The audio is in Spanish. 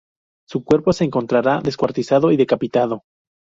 Su cuerpo se encontrará descuartizado y decapitado.